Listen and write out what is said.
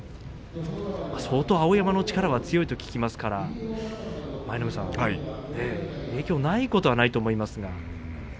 相当、碧山の力は強いと聞きますから影響ないことはないと思いますが。